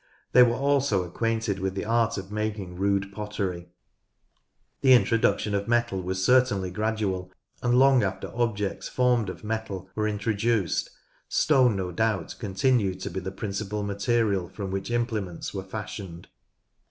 They were also acquainted with the art of making rude pottery. The introduction of metal was certainly gradual, and long after objects formed of metal were introduced stone no doubt continued to be the principal material from which implements were fashioned.